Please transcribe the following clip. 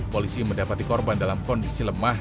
polisi mendapati korban dalam kondisi lemah